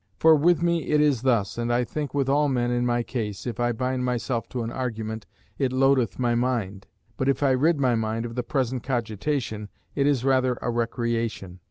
For with me it is thus, and I think with all men in my case, if I bind myself to an argument, it loadeth my mind; but if I rid my mind of the present cogitation, it is rather a recreation.